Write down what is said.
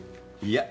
いや。